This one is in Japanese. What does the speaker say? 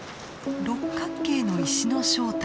六角形の石の正体